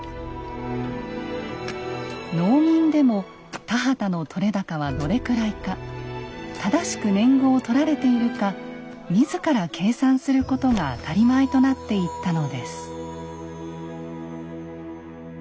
農民でも田畑の取れ高はどれくらいか正しく年貢を取られているか自ら計算することが当たり前となっていったのです。